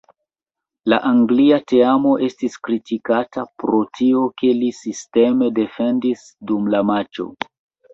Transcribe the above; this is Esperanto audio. La Anglia teamo estas kritikata pro tio, ke li sisteme defendis dum la matĉo.